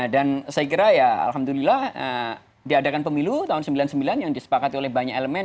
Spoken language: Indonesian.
dan saya kira ya alhamdulillah diadakan pemilu tahun sembilan puluh sembilan yang disepakati oleh banyak elemen